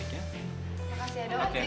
makasih ya dok